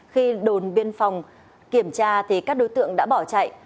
khi đồn biên phòng kiểm tra thì các đối tượng đã bỏ chạy